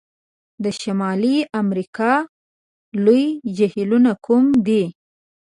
د شمالي امریکا لوی جهیلونو کوم دي؟